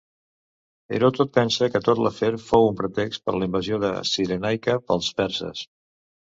Heròdot pensa que tot l'afer fou un pretext per la invasió de Cirenaica pels perses.